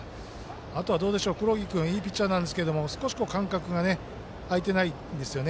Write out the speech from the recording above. あとは黒木君いいピッチャーなんですけど少し感覚が空いてないんですよね。